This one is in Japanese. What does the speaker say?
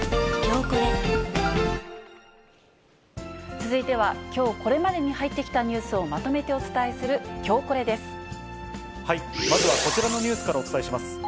続いては、きょうこれまでに入ってきたニュースをまとめてお伝えするきょうまずはこちらのニュースからお伝えします。